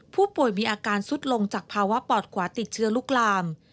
ผู้ป่วยมีอาการสุดลงจากภาวะปอดขวาติดเชื้อลุกลาม